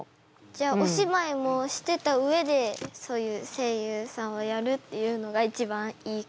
じゃあお芝居もしてた上でそういう声優さんをやるっていうのが一番いい？